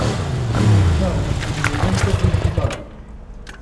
Dillashaw en el evento principal.